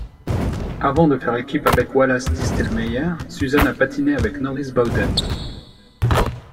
Avant de faire équipe avec Wallace Diestelmeyer, Suzanne a patiné avec Norris Bowden.